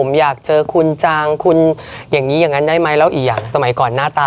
มันหลายปีแล้วเหมือนกันนะ